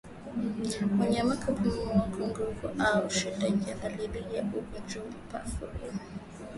Mnyama kupumua kwa nguvu au kwa shida ni dalili ya ugonjwa wa mapafu